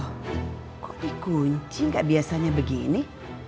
loh kok di kunci gak biasanya begini